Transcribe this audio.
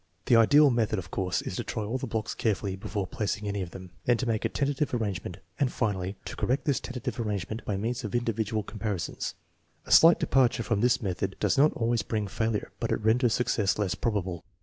The ideal method, of course, is to try all the blocks carefully before placing any of them, then to make a tentative arrangement, and finally, to correct this tentative arrangement by means of individual comparisons. A slight departure from this method does not always bring failure, but it renders success less probable.